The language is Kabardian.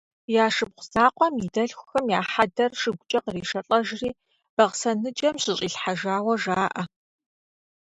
Я шыпхъу закъуэм и дэлъхухэм я хьэдэр шыгукӏэ къришэлӏэжри, Бахъсэн ныджэм щыщӏилъхьэжауэ жаӏэ.